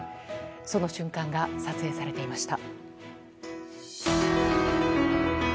その瞬間が撮影されていました。